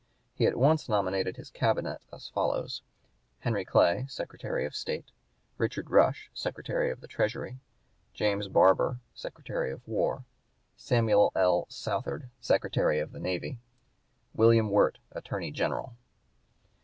He at once nominated his Cabinet as follows: Henry Clay, Secretary of State; Richard Rush, Secretary of the Treasury; James Barbour, Secretary of War; Samuel L. Southard, Secretary of the Navy; William Wirt, Attorney General.